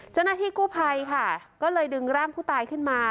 เจ้าหน้าที่กู้ภัยค่ะก็เลยดึงร่างผู้ตายขึ้นมา